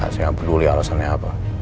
saya peduli alasannya apa